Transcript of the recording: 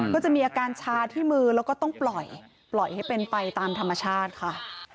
ก็จะมีอาการชาที่มือแล้วก็ต้องปล่อยปล่อยให้เป็นไปตามธรรมชาติค่ะ